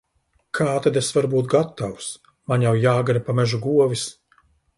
Kā tad es varu būt gatavs! Man jau jāgana pa mežu govis.